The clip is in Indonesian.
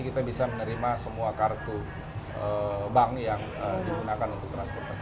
kita bisa menerima semua kartu bank yang digunakan untuk transportasi